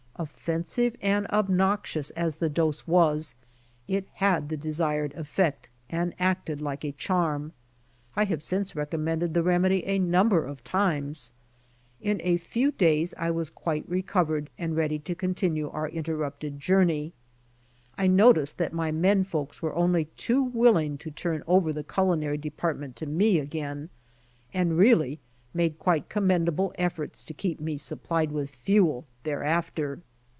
Offensive and obnoxious as the dose was, it had the desired effect and acted like a charm. I have since recom mended the remedy a number of timies. In a few days I was quite recovered and ready to continue our interrupted journey. I noticed that my men folks were only too willing to turn over the culinary department to me again, and really made quite commendable efforts to keep me supplied with fuel thereafter.